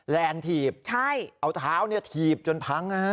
แลนทีบเอาเท้าเนี่ยทีบจนพังนะ